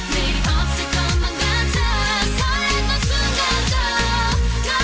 neri eopsil koman ganda